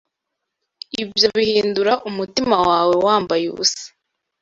Ibyo bihindura umutima wawe wambaye ubusa